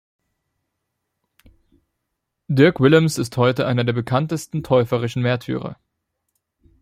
Dirk Willems ist heute einer der bekanntesten täuferischen Märtyrer.